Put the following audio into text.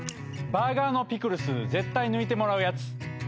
バーガーのピクルス絶対抜いてもらうやつ。